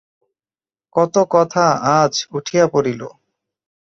কত কথা আজ উঠিয়া পড়িল।